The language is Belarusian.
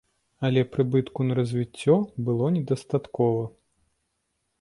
Але прыбытку на развіццё было недастаткова.